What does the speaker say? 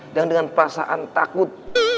dan dengan perasaan takut